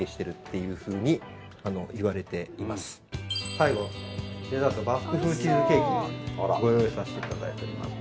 最後、デザートにバスク風チーズケーキを用意させていただいております。